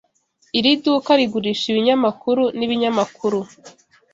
Iri duka rigurisha ibinyamakuru nibinyamakuru.